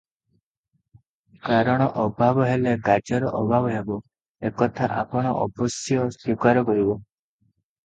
କାରଣ ଅଭାବ ହେଲେ କାର୍ଯ୍ୟର ଅଭାବ ହେବ, ଏ କଥା ଆପଣ ଅବଶ୍ୟ ସ୍ୱୀକାର କରିବେ ।